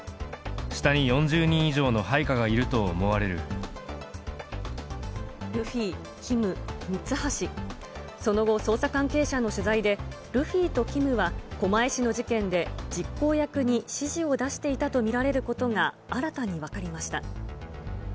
下に４０人以上の配下がいると思ルフィ、ＫＩＭ、ミツハシ、その後、捜査関係者への取材でルフィとＫＩＭは、狛江市の事件で実行役に指示を出していたと見られることが、新たに分かりました。